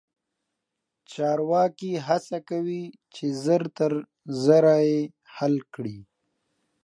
چارواکي هڅه کوي چې ژر تر ژره یې حل کړي.